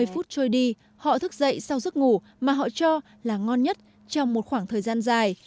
ba mươi phút trôi đi họ thức dậy sau giấc ngủ mà họ cho là ngon nhất trong một khoảng thời gian dài